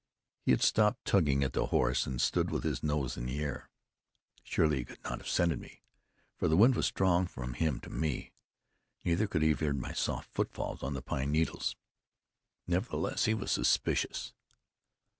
He had stopped tugging at the horse, and stood with his nose in the air. Surely he could not have scented me, for the wind was strong from him to me; neither could he have heard my soft footfalls on the pine needles; nevertheless, he was suspicious.